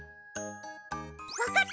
わかった！